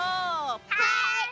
はい！